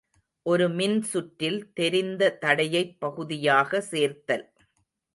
ஒரு மின்சுற்றில் தெரிந்த தடையைப் பகுதியாக சேர்த்தல்.